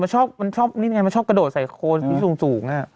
ใช่มันชอบกระโดดใส่โคลนที่สูงน่ะ